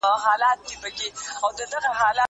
کېدای سي سندري ټيټه وي!؟